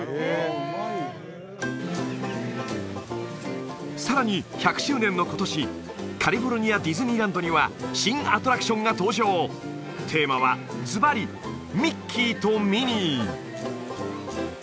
うまいさらに１００周年の今年カリフォルニアディズニーランドには新アトラクションが登場テーマはずばり「ミッキーとミニー」